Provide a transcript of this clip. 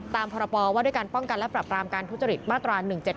พรปว่าด้วยการป้องกันและปรับรามการทุจริตมาตรา๑๗๗